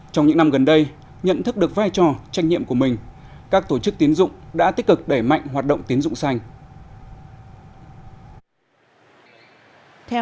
trong những năm gần đây nhận thức được vai trò trách nhiệm của mình các tổ chức tiến dụng đã tích cực đẩy mạnh hoạt động tiến dụng xanh